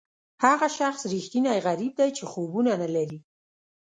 هغه شخص ریښتینی غریب دی چې خوبونه نه لري.